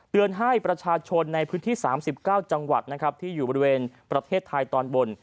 ให้ประชาชนในพื้นที่๓๙จังหวัดนะครับที่อยู่บริเวณประเทศไทยตอนบน